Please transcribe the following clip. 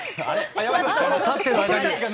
立ってる間に。